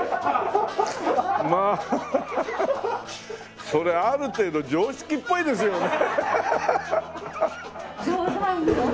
まあそれある程度常識っぽいですよね。